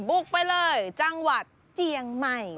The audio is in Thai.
บุกไปเลยจังหวัดเจียงใหม่